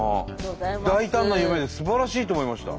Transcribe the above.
大胆な夢ですばらしいと思いました。